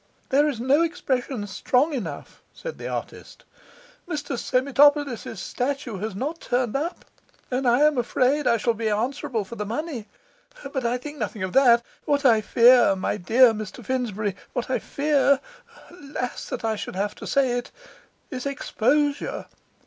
'There is no expression strong enough,' said the artist. 'Mr Semitopolis's statue has not turned up, and I am afraid I shall be answerable for the money; but I think nothing of that what I fear, my dear Mr Finsbury, what I fear alas that I should have to say it! is exposure.